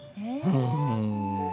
うん。